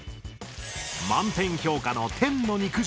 満点評価の「天の肉汁」